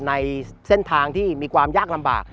ในเส้นทางที่มีความยากลำบาก